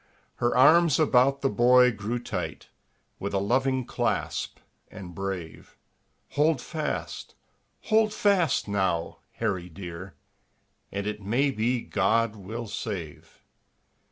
Her arms about the boy grew tight, With a loving clasp, and brave; "Hold fast! Hold fast, now, Harry dear, And it may be God will save."